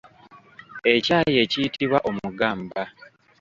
Ekyayi ekiyitibwa omugamba.